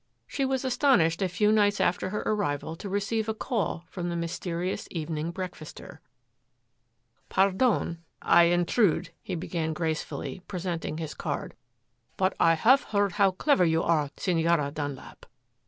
She was astonished a few nights after her arrival to receive a call from the mysterious evening breakfaster. "Pardon I intrude," he began gracefully, presenting his card. "But I have heard how clever you are, Senora Dunlap.